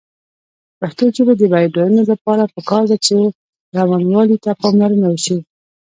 د پښتو ژبې د بډاینې لپاره پکار ده چې روانوالي ته پاملرنه وشي.